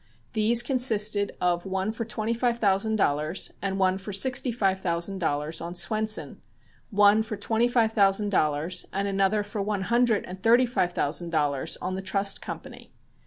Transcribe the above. These consisted of one for twenty five thousand dollars and one for sixty five thousand dollars on Swenson, one for twenty five thousand dollars and another for one hundred and thirty five thousand dollars on the Trust Company.